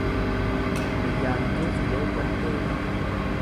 Ayyaantuu Filee Kottee